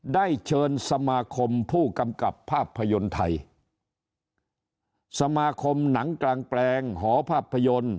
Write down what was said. ได้เชิญสมาคมผู้กำกับภาพยนตร์ไทยสมาคมหนังกลางแปลงหอภาพยนตร์